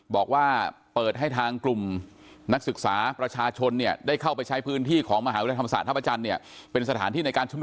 บอกว่าเปิดให้ทางกลุ่มนักศึกษาประชาชนเนี่ยได้เข้าไปใช้พื้นที่ของมหาวิทยาลัยธรรมศาสตร์ท่าพระจันทร์เนี่ยเป็นสถานที่ในการชุมนุ